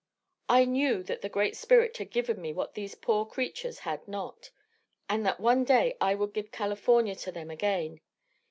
I knew that the Great Spirit had given me what these poor creatures had not, and that one day I would give California to them again.